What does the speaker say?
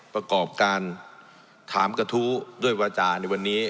ประกอบการถามกระทู้ด้วยวาจาในวันนี้